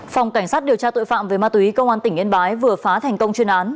phòng cảnh sát điều tra tội phạm về ma túy công an tỉnh yên bái vừa phá thành công chuyên án